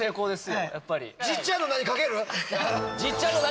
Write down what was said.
じっちゃんの名にかける？